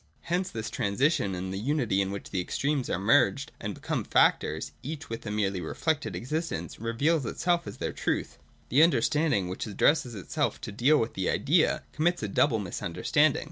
Hence this transition, and the unity in which the extremes are A a 2 356 THE DOCTRINE OF THE NOTION. [214. merged and become factors, each with a merely reflected existence, reveals itself as their truth. The understanding, which addresses itself to deal with the Idea, commits a double misunderstanding.